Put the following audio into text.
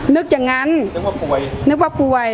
นึกอย่างงั้นนึกว่าป่วย